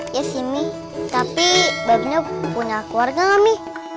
iya sih mi tapi babi punya keluarga gak mi